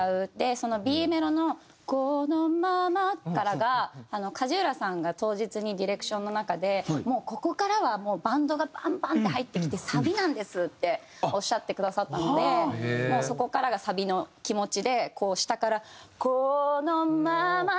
そのＢメロの「このまま」からが梶浦さんが当日にディレクションの中で「ここからはもうバンドがバンバンって入ってきてサビなんです」っておっしゃってくださったのでもうそこからがサビの気持ちでこう下から「このまま」って掘る。